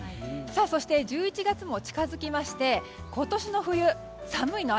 そして、１１月も近づきまして今年の冬寒いの？